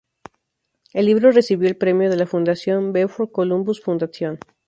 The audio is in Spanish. El libro recibió el premio de la fundación "Before Columbus Foundation".